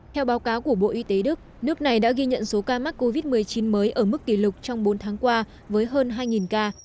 theo báo cáo của bộ y tế đức nước này đã ghi nhận số ca mắc covid một mươi chín mới ở mức kỷ lục trong bốn tháng qua với hơn hai ca